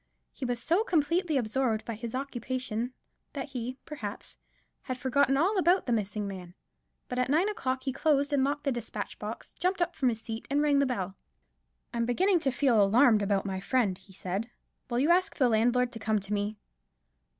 He was so completely absorbed by his occupation, that he, perhaps, had forgotten all about the missing man: but at nine o'clock he closed and locked the despatch box, jumped up from his seat and rang the bell. "I am beginning to feel alarmed about my friend," he said; "will you ask the landlord to come to me?"